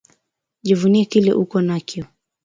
Jivunie kile uko nakyo